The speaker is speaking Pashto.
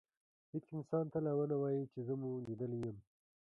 هیڅ انسان ته لا ونه وایئ چي زه مو لیدلی یم.